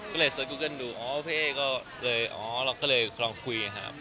ก็เลยสกูเกิ้ลดูอ๋อพี่เอ๊ก็เลยอ๋อเราก็เลยลองคุยครับ